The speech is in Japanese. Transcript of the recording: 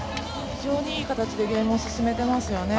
非常にいい形でゲームを進めていますよね。